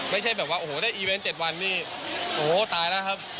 ไม่ใช่แบบว่าโอ้โหได้อีเวนต์๗วันนี่โอ้โหตายแล้วครับ